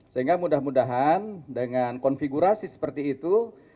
sehingga mudah mudahan dengan konfigurasi seperti itu